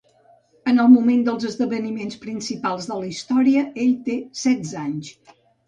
En el moment dels esdeveniments principals de la història, ell té setze anys.